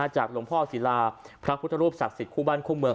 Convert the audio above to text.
จากหลวงพ่อศิลาพระพุทธรูปศักดิ์สิทธิคู่บ้านคู่เมือง